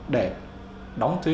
để đóng thuế